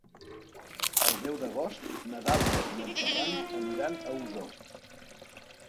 El deu d'agost na Dàlia i en Ferran aniran a Osor.